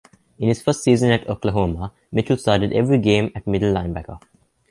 In his first season at Oklahoma, Mitchell started every game at middle linebacker.